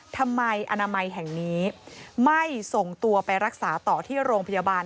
ทำไมอนามัยแห่งนี้ไม่ส่งตัวไปรักษาต่อที่โรงพยาบาล